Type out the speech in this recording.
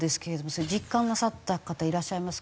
それ実感なさった方いらっしゃいますか？